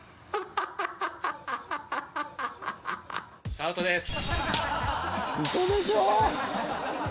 アウトです。